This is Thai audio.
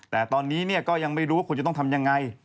แต่ตอนนี้ก็ยังไม่รู้ว่าคุณจะต้องทำยังไง